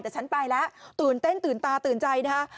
แต่ฉันไปแล้วตื่นเต้นตื่นตาตื่นใจนะคะ